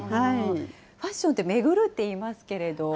ファッションって巡るっていいますけれども。